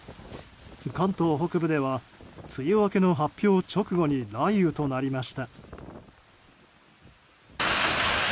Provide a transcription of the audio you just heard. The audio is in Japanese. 関東北部では梅雨明けの発表直後に雷雨となりました。